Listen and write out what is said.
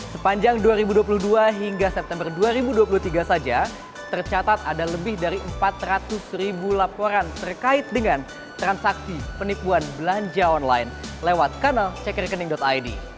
sepanjang dua ribu dua puluh dua hingga september dua ribu dua puluh tiga saja tercatat ada lebih dari empat ratus ribu laporan terkait dengan transaksi penipuan belanja online lewat kanal cekerkening id